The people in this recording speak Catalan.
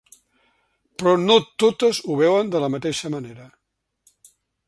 Però no totes ho veuen de la mateixa manera.